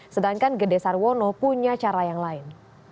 sedangkan gedesarwono punya cara yang lain